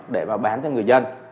để bán cho người dân